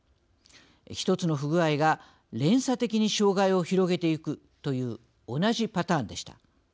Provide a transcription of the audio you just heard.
１つの不具合が連鎖的に障害を広げていくという同じパターンでした。